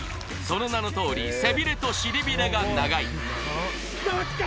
その名のとおり背びれとしりびれが長い